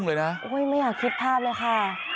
ขึ้นมาคิดภาพเลยค่ะ